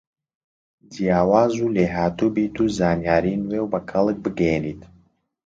جیاواز و لێهاتووبیت و زانیاری نوێ و بە کەڵک بگەیەنیت